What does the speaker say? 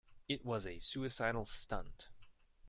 It was a suicidal stunt.